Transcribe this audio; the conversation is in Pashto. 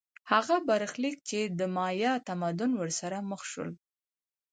هغه برخلیک چې د مایا تمدن ورسره مخ شول